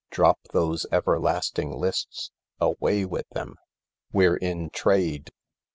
Drop those everlasting lists. Away with them I We're in trade